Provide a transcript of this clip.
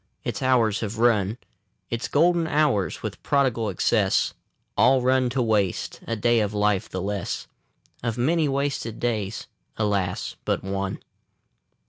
Its hours have run, Its golden hours, with prodigal excess, All run to waste. A day of life the less; Of many wasted days, alas, but one!